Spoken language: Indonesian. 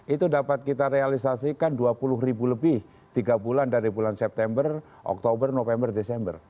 itu dapat kita realisasikan dua puluh ribu lebih tiga bulan dari bulan september oktober november desember